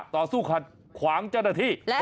ต่อสู้ขัดขวางเจ้าหน้าที่